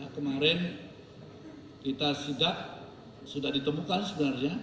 kemarin kita sudah ditemukan sebenarnya